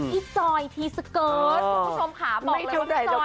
พี่จอยที่สเกิดคุณผู้ชมค่ะ